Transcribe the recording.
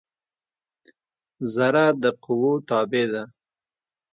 ذره د قوؤ تابع ده.